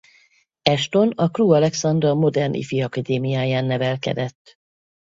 Ashton a Crewe Alexandra modern ifiakadémiáján nevelkedett.